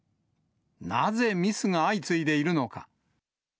なぜミスが相次いでいるのか。